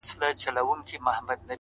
هرڅه د الله تعالی د پلان مطابق روان وه.